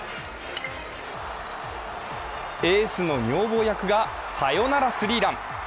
エースの女房役がサラナラスリーラン。